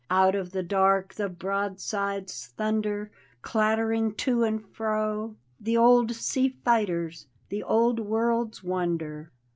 Out of the dark the broadsides thunder. Clattering to and fro: The old sea fighters, the old world's wonder.